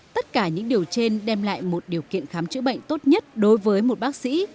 tất cả những điều trên đem lại một điều kiện khám chữa bệnh tốt nhất đối với một bác sĩ